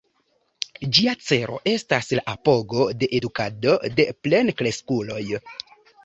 Ĝia celo estas la apogo de edukado de plenkreskuloj.